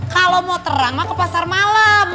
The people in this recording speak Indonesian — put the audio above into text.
kalau mau terang mah ke pasar malam